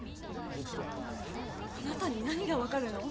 あなたに何が分かるの？